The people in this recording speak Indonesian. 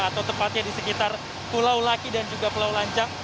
atau tepatnya di sekitar pulau laki dan juga pulau lancang